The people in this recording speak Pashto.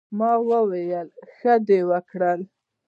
" ـ ما وې " ښۀ دې وکړۀ " ـ